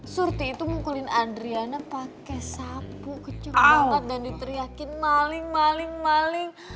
surti itu mukulin adriana pakai sapu kecok banget dan diteriakin maling maling maling